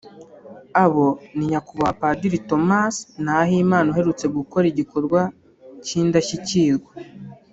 Abo ni Nyakubahwa Padiri Thomas Nahimana uherutse gukora igikorwa cy’indashyikirwa